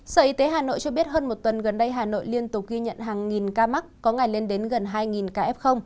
sở y tế hà nội cho biết hơn một tuần gần đây hà nội liên tục ghi nhận hàng nghìn ca mắc có ngày lên đến gần hai ca f